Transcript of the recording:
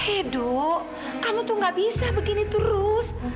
hedo kamu tuh gak bisa begini terus